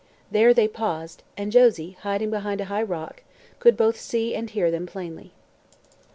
There they paused, and Josie, hiding behind a high rock, could both see and hear them plainly.